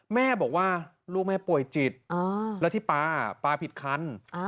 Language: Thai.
แม่บอกว่าลูกแม่ป่วยจิตแล้วที่ปลาปลาผิดคัน